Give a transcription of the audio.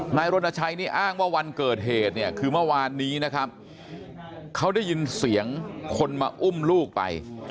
นายรณชัยนี่อ้างว่าวันเกิดเหตุเนี่ยคือเมื่อวานนี้นะครับเขาได้ยินเสียงคนมาอุ้มลูกไป